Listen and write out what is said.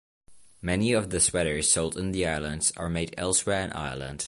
Many of the sweaters sold in the islands are made elsewhere in Ireland.